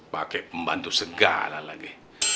pakai pembantu segala lagi